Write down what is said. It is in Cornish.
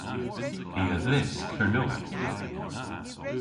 I a dhysk Kernewek.